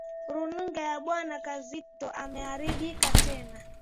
Runinga ya Bwana Kazito imeharibika tena.